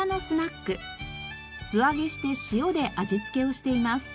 素揚げして塩で味付けをしています。